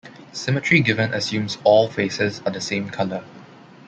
Symmetry given assumes all faces are the same color.